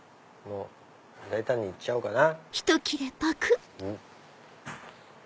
大胆にいっちゃおうかな。